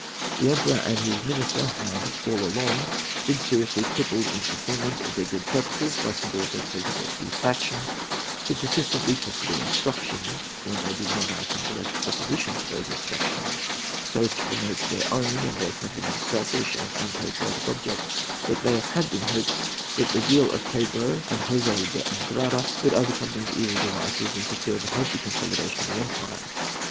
The Emperor and his minister had all along been seriously crippled in fulfilment of their good purposes by subordinates of the Portuguese faction, who persistently twisted their instructions, when they did not act in direct opposition to those instructions, so as to promote their own and their countrymen's selfish and unpatriotic objects; but there had been hope that the zeal of Pedro and José de Andrada would overcome these evil devices, and secure the healthy consolidation of the empire.